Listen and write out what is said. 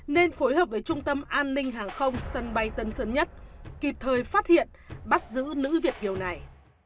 nên phối hợp với trung tâm an ninh hàng không sân bay tân sơn nhất kịp thời phát hiện bắt giữ nữ việt kiều này